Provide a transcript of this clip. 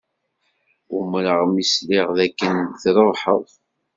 Umreɣ mi sliɣ dakken trebḥed.